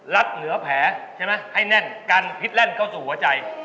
เหนือแผลใช่ไหมให้แน่นกันพิษแล่นเข้าสู่หัวใจ